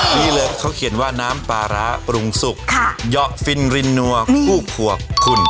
นี่เลยเค้าเขียนว่าน้ำปลาร้าปรุงสุกเยาะฟิลลินัวภูกหัวขุ่น